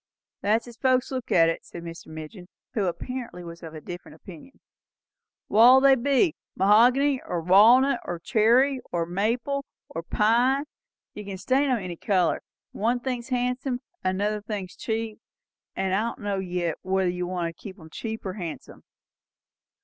"That's as folks looks at it," said Mr. Midgin, who apparently was of a different opinion. "What'll they be? Mahogany, or walnut, or cherry, or maple, or pine? You kin stain 'em any colour. One thing's handsome, and another thing's cheap; and I don' know yet whether you want 'em cheap or handsome."